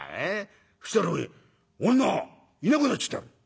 そしたらおい女いなくなっちゃったよ」。